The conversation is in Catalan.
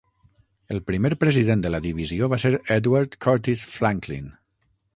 El primer president de la divisió va ser Edward Curtis Franklin.